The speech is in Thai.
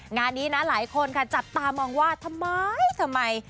งานนี้นะหลายคนค่ะจับตามองว่าทำไมทำไม